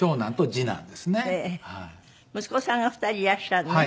息子さんが２人いらっしゃるのね。